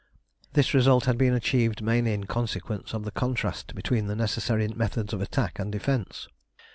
This result had been achieved mainly in consequence of the contrast between the necessary methods of attack and defence.